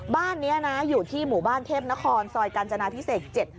บ้านนี้นะอยู่ที่หมู่บ้านเทพนครซอยกาญจนาพิเศษ๗